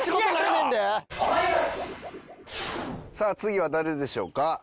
さあ次は誰でしょうか？